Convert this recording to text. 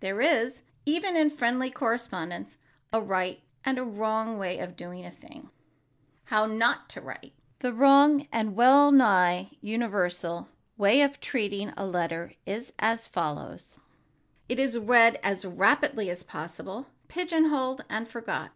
There is, even in friendly correspondence, a right and a wrong way of doing a thing. [Sidenote: HOW NOT TO WRITE] The wrong, and well nigh universal, way of treating a letter is as follows: It is read as rapidly as possible, pigeonholed and forgot.